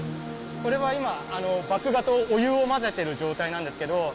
これは今麦芽とお湯を混ぜてる状態なんですけど。